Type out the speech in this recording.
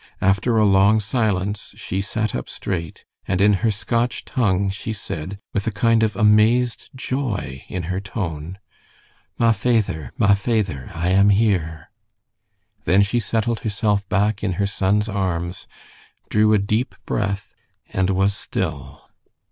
After a long silence she sat up straight, and in her Scotch tongue, she said, with a kind of amazed joy in her tone, 'Ma fayther! Ma fayther! I am here.' Then she settled herself back in her son's arms, drew a deep breath, and was still.